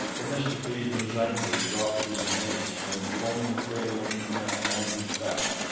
Themistocles M'zangwe dropped his mace and swung the frail looking man onto his back.